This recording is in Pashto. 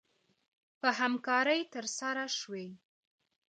په همکارۍ ترسره شوې